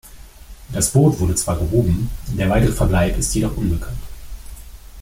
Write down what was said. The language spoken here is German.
Das Boot wurde zwar gehoben, der weitere Verbleib ist jedoch unbekannt.